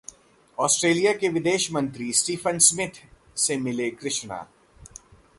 Australia के विदेश मंत्री स्टीफन स्मिथ से मिले कृष्णा